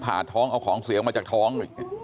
ผ่าท้องเอาของเสียงมาจากท้อง